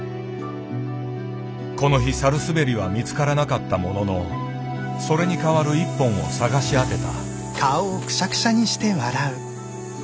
この日サルスベリは見つからなかったもののそれに代わる一本を探し当てた。